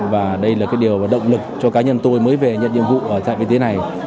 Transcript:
và đây là cái điều và động lực cho cá nhân tôi mới về nhận nhiệm vụ ở trạm y tế này